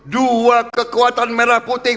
dua kekuatan merah putih